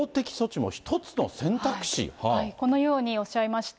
このようにおっしゃいました。